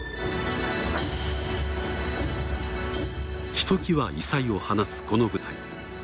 ひときわ異彩を放つこの舞台。